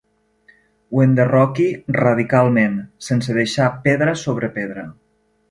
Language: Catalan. Ho enderroqui radicalment, sense deixar pedra sobre pedra.